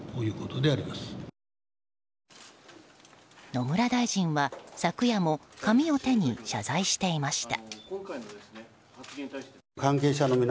野村大臣は昨夜も紙を手に謝罪していました。